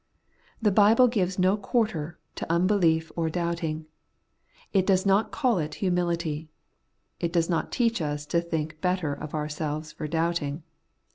The Bible gives no quarter to unbelief or doubting. It does not call it humility. It does not teach us to think better of ourselves for doubting.